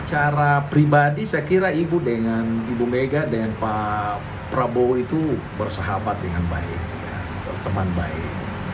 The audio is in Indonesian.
secara pribadi saya kira ibu dengan ibu mega dengan pak prabowo itu bersahabat dengan baik berteman baik